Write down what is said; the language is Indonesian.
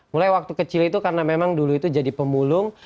mulai waktu kecil itu karena memang dulu itu jadi pemulung